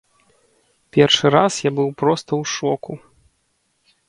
Першы раз я быў проста ў шоку.